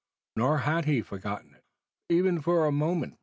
Nor had he forgotten it, even for a moment.